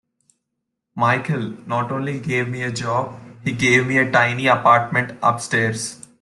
Michael not only gave me a job, he gave me a tiny apartment upstairs.